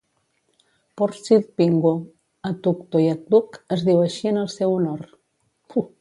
Porsild Pingo, a Tuktoyaktuk, es diu així en el seu honor.